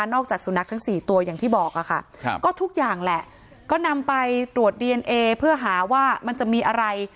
จากสุนัขทั้ง๔ตัวอย่างที่บอกค่ะก็ทุกอย่างแหละก็นำไปตรวจดีเอนเอเพื่อหาว่ามันจะมีอะไร